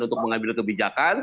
untuk mengambil kebijakan